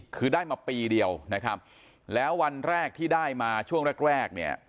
คือได้มาปีเดียวนะครับแล้ววันแรกที่ได้มาช่วงแรกแรกเนี่ย